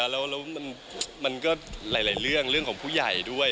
แล้วมันก็หลายเรื่องของผู้ใหญ่ด้วย